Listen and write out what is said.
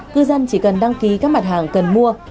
cư dân chỉ cần đăng ký các mặt hàng cần mua